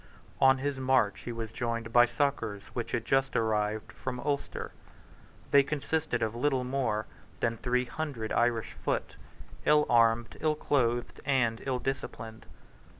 On his march he was joined by succours which had just arrived from Ulster. They consisted of little more than three hundred Irish foot, ill armed, ill clothed, and ill disciplined.